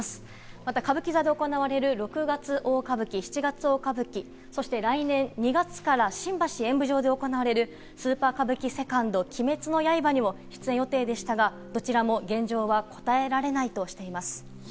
また歌舞伎座で行われる『六月大歌舞伎』『七月大歌舞伎』、そして来年２月から新橋演舞場で行われる『スーパー歌舞伎２鬼滅の刃』にも出演予定でしたが、どちらも現状は答えられないとしています。